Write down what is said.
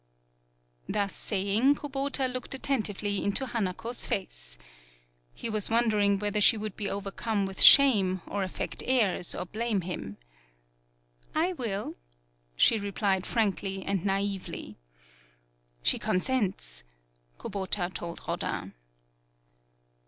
Thus saying, Kubota looked atten tively into Hanako's face. He was wondering whether she would be over come with shame, or affect airs, or blame him. "I will," she replied frankly and naively. "She consents," Kubota told Rodin.